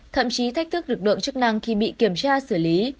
thậm chí thách thức lực lượng chức năng khi bị kiểm tra xử lý